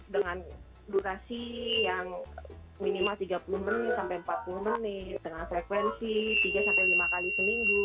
dengan durasi yang minimal tiga puluh menit sampai empat puluh menit dengan frekuensi tiga sampai lima kali seminggu